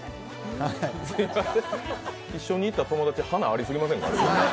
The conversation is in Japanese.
一緒に行った友達花ありすぎませんか？